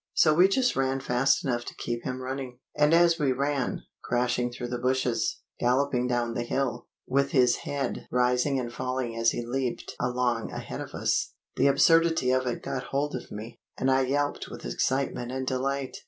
So we just ran fast enough to keep him running. And as we ran, crashing through the bushes, galloping down the hill, with his head rising and falling as he leaped along ahead of us, the absurdity of it got hold of me, and I yelped with excitement and delight.